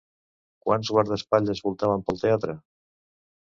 Quants guardaespatlles voltaven pel teatre?